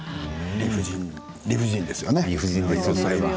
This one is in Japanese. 理不尽ですよね。